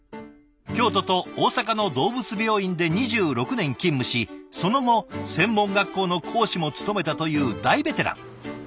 京都と大阪の動物病院で２６年勤務しその後専門学校の講師も務めたという大ベテラン。